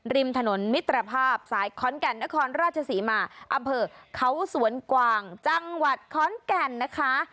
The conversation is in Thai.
ริมถนนมิตรภาพสายขอนแก่นนครราชศรีมาอำเภอเขาสวนกวางจังหวัดขอนแก่นนะคะ